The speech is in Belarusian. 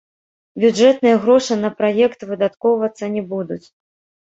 Бюджэтныя грошы на праект выдаткоўвацца не будуць.